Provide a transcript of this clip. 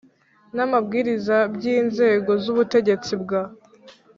N amabwiriza by inzego z ubutegetsi bwa